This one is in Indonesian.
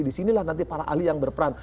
di sinilah nanti para ahli yang berperan